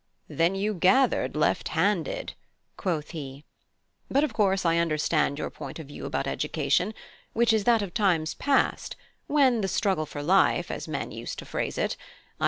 "Then you gathered left handed," quoth he. "But of course I understand your point of view about education, which is that of times past, when 'the struggle for life,' as men used to phrase it (_i.